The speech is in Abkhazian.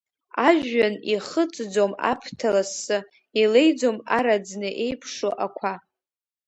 Ажәҩан ихыҵӡом аԥҭа лассы, илеиӡом араӡны еиԥшу ақәа.